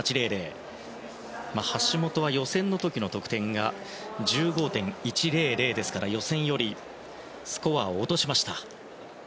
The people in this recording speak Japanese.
橋本は予選の時の得点が１５．１００ですから予選よりスコアを落としました。